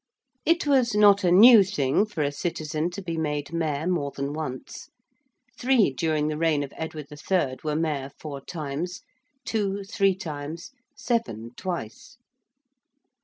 It was not a new thing for a citizen to be made Mayor more than once. Three during the reign of Edward III. were Mayor four times; two, three times; seven, twice.